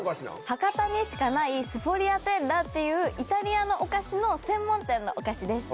博多にしかないスフォリアテッラっていうイタリアのお菓子の専門店のお菓子です。